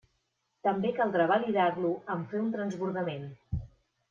També caldrà validar-lo en fer un transbordament.